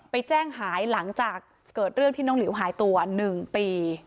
แจ้งหายหลังจากเกิดเรื่องที่น้องหลิวหายตัว๑ปี